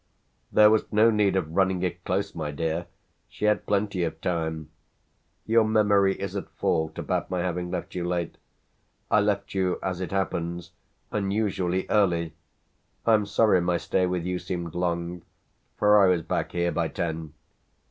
"There was no need of running it close, my dear she had plenty of time. Your memory is at fault about my having left you late: I left you, as it happens, unusually early. I'm sorry my stay with you seemed long; for I was back here by ten."